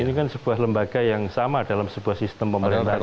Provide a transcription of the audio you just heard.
ini kan sebuah lembaga yang sama dalam sebuah sistem pemerintahan